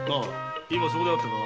今そこで会ったが。